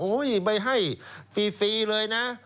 โอ้ยใบให้ฟรีเลยนะ